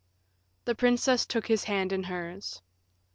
The princess took his hand in hers.